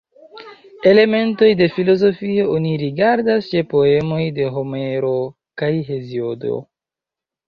Elementoj de filozofio oni rigardas ĉe poemoj de Homero kaj Heziodo.